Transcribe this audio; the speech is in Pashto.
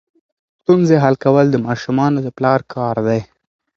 ستونزې حل کول د ماشومانو د پلار کار دی.